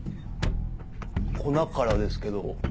粉からですけど。